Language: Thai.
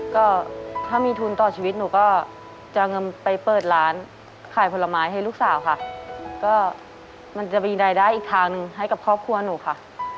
ก็ถ้ามีทุนต่อชีวิตหนูก็จะเงินไปเปิดร้านขายผลไม้ให้ลูกสาวค่ะก็มันจะมีรายได้อีกทางหนึ่งให้กับครอบครัวหนูค่ะ